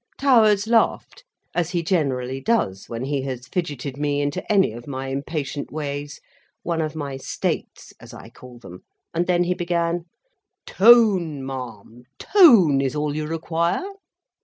Towers laughed, as he generally does when he has fidgetted me into any of my impatient ways—one of my states, as I call them—and then he began,— "Tone, ma'am, Tone, is all you require!"